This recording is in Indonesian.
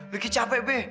be ki capek be